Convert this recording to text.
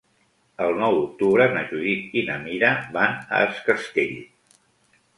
El nou d'octubre na Judit i na Mira van a Es Castell.